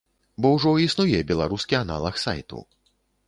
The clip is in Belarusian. Бо ўжо існуе беларускі аналаг сайту.